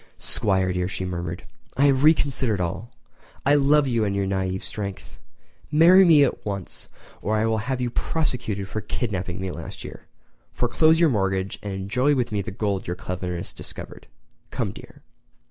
"'Squire, dear," she murmured, "I have reconsidered all. I love you and your naive strength. Marry me at once or I will have you prosecuted for that kidnapping last year. Foreclose your mortgage and enjoy with me the gold your cleverness discovered. Come, dear!"